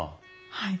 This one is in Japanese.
はい。